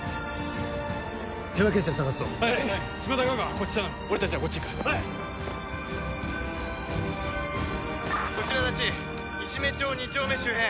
こちら足達石目町２丁目周辺